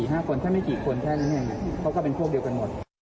ถ้าไม่ถึงกี่คนแค่แม่แม่เขาก็เป็นพวกเดียวกันหมด